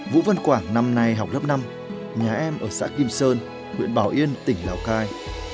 vũ văn quảng năm nay học lớp năm nhà em ở xã kim sơn huyện bảo yên tỉnh lào cai